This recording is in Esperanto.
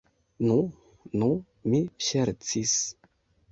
Nu, nu, mi ŝercis.